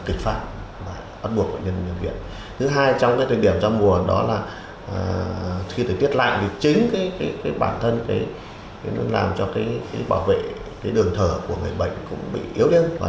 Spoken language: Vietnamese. khi thời tiết nặng chính bản thân làm cho bảo vệ đường thở của người bệnh bị yếu điên